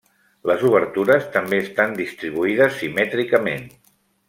Les obertures també estan distribuïdes simètricament.